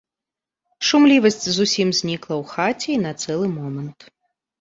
Шумлівасць зусім знікла ў хаце і на цэлы момант.